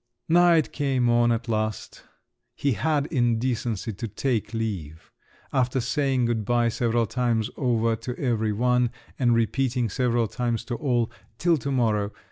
Night came on at last. He had in decency to take leave! After saying good bye several times over to every one, and repeating several times to all, "till to morrow!"